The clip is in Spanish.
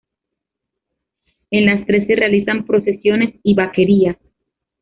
En las tres se realizan procesiones y vaquerías